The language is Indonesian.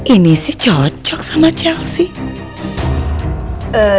ini sih cocok sama chelsea